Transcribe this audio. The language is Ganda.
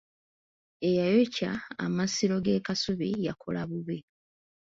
Eyayokya amasiro g'e Kasubi yakola bubi.